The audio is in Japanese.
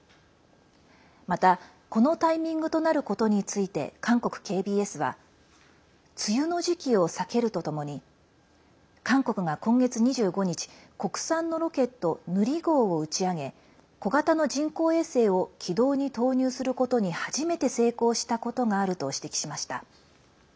また、このタイミングとなることについて韓国ＫＢＳは梅雨の時期を避けるとともに韓国が今月２５日国産のロケット「ヌリ号」を打ち上げ小型の人工衛星を軌道に投入することに初めて成功したことがあると指摘しました。